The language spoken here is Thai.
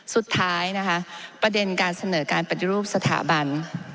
สุดท้ายนะคะประเด็นการเสนอการปฏิรูปสถาบัน